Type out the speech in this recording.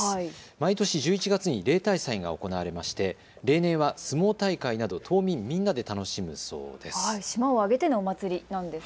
毎年１１月に例大祭が行われまして例年は相撲大会など島民みんなで楽しむそうです。